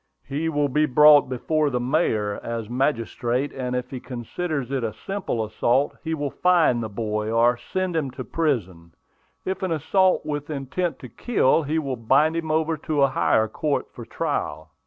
"He will be brought before the mayor, as magistrate; and if he considers it a simple assault, he will fine the boy, or send him to prison; if an assault with intent to kill, he will bind him over to a higher court for trial."